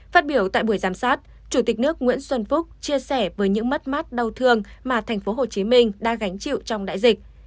phát biểu tại buổi giám sát chủ tịch nước nguyễn xuân phúc chia sẻ với những mắt mắt đau thương mà tp hcm đã gánh chịu trong đại dịch